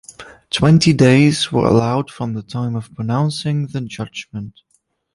Twenty days were allowed from the time of pronouncing the judgment.